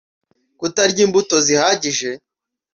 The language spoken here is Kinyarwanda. kutarya imbuto zihagije